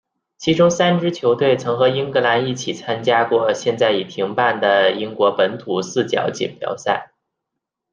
其中三支球队曾和英格兰一起参加过现在已停办的英国本土四角锦标赛。